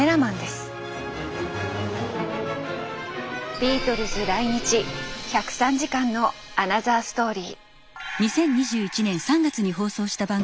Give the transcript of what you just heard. ビートルズ来日１０３時間のアナザーストーリー。